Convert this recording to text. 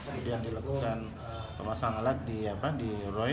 kemudian dilakukan pemasangan alat di roy